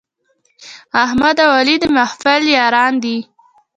احمد او علي د محفل یاران دي.